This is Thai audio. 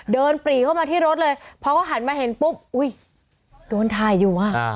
เดินปลี่เข้ามาที่รถเลยเพราะเขาหันมาเห็นปุ๊บอุ๊ยโดนทายอยู่ว่ะ